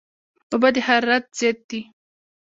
اوبه د حرارت ضد دي